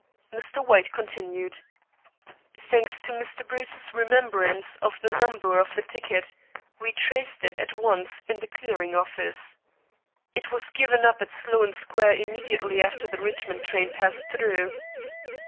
Mr. White continued. "Thanks to Mr. Bruce's remembrance of the number of the ticket, we traced it at once in the clearing office. It was given up at Sloan Square immediately after the Richmond train passed through."